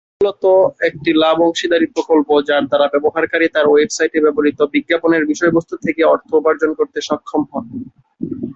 এটি মূলত একটি লাভ-অংশিদারী প্রকল্প যার দ্বারা ব্যবহারকারী তার ওয়েবসাইটে ব্যবহৃত বিজ্ঞাপনের বিষয়বস্তু থেকে অর্থ উপার্জন করতে সক্ষম হন।